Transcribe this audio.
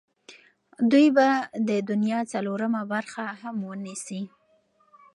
دوی به د دنیا څلورمه برخه هم ونیسي.